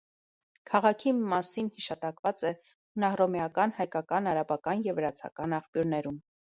Քաղաքի մասին հիշատակված է հունահռոմեական, հայկական, արաբական և վրացական աղբյուրներում։